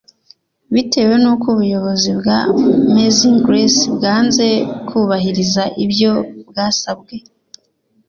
Bitewe n’uko ubuyobozi bwa Amazing Grace bwanze kubahiriza ibyo bwasabwe